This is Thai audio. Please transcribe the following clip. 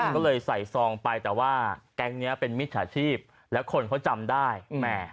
ก็เลยใส่ซองไปแต่ว่าแก๊งนี้เป็นมิจฉาชีพแล้วคนเขาจำได้แหม